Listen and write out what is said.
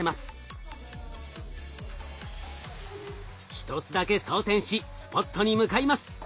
１つだけ装填しスポットに向かいます。